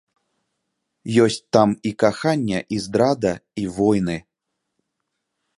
Есць там і каханне, і здрада, і войны.